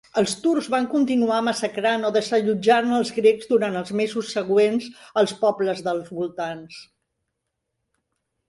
Els turcs van continuar massacrant o desallotjant els grecs durant els mesos següents als pobles dels voltants.